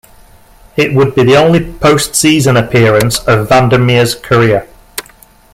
It would be the only post-season appearance of Vander Meer's career.